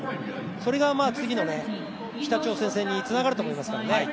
それが次の北朝鮮戦につながると思いますからね。